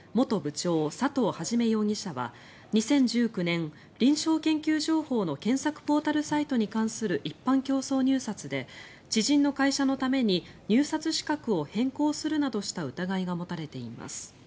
長佐藤元容疑者は２０１９年、臨床研究情報の検索ポータルサイトに関する一般競争入札で知人の会社のために入札資格を変更するなどした疑いが持たれています。